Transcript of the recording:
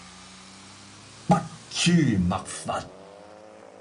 筆誅墨伐